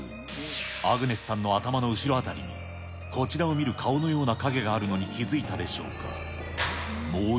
アグネスさんの頭の後ろ辺りに、こちらを見る顔のような影があるのに気付いたでしょうか。